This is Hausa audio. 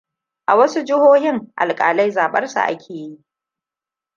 A wasu jihohin, alƙalai zaɓarsu ake yi.